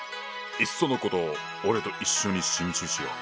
いっそのこと俺と一緒に心中しよう。